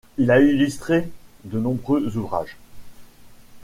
Il a illustré de nombreux ouvrages.